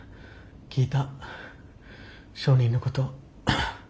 聞いた証人のこと。